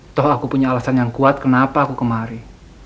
toh aku punya alasan yang kuat kenapa aku kemari